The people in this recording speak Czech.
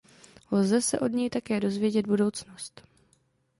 Lze se od něj také dozvědět budoucnost.